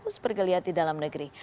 terus bergeliat di dalam negeri